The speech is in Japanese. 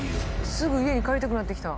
すぐ家に帰りたくなってきた。